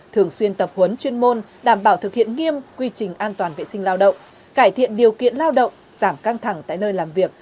thường xuyên tập huấn chuyên môn đảm bảo thực hiện nghiêm quy trình an toàn vệ sinh lao động cải thiện điều kiện lao động giảm căng thẳng tại nơi làm việc